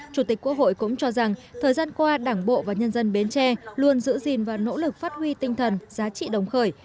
chủ tịch quốc hội cũng cho rằng thời gian qua đảng bộ và nhân dân bến tre luôn giữ gìn và nỗ lực phát huy tinh thần giá trị đồng khởi